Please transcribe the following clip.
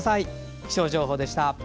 気象情報でした。